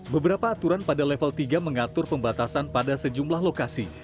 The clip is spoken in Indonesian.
beberapa aturan pada level tiga mengatur pembatasan pada sejumlah lokasi